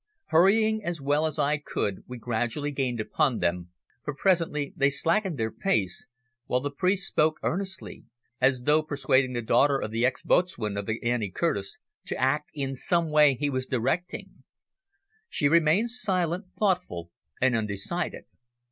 Hurrying as well as I could we gradually gained upon them, for presently they slackened their pace, while the priest spoke earnestly, as though persuading the daughter of the ex boatswain of the Annie Curtis to act in some way he was directing. She seemed silent, thoughtful and undecided.